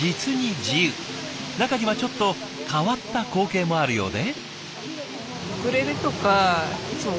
中にはちょっと変わった光景もあるようで。